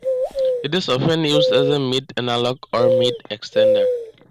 It is often used as a meat analogue or meat extender.